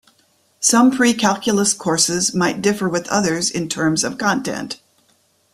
Some precalculus courses might differ with others in terms of content.